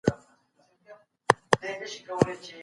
د مینې لپاره هر څه کیږي.